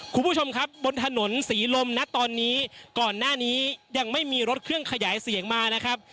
คุณผู้ชมครับบนถนนศรีลมนะตอนนี้ก่อนหน้านี้ยังไม่มีรถเครื่องขยายเสียงมานะครับ